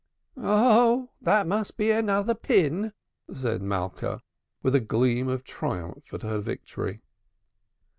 "Ah, that must be another pin," said Malka, with a gleam of triumph at her victory.